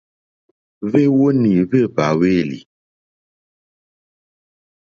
Hwéwónì hwé hwàlêlì.